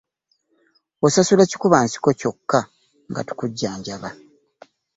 Osasula kikuba nsiko kyokka nga tukujjanjaba.